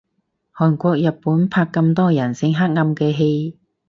韓國日本拍咁多人性黑暗嘅戲